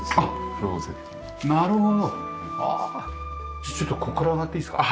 じゃあちょっとここから上がっていいですか？